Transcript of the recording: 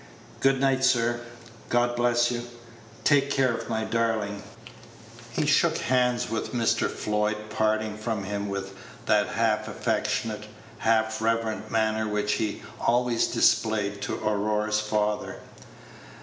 "Good night, sir. God bless you! Take care of my darling." He shook hands with Mr. Floyd, parting from him with that half affectionate, half reverent manner which he always displayed to Aurora's father.